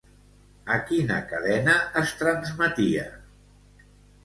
A quina cadena es transmetia?